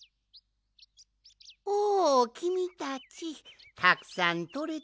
おおきみたちたくさんとれたかね？